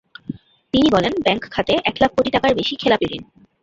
তিনি বলেন, ব্যাংক খাতে এক লাখ কোটি টাকার বেশি খেলাপি ঋণ।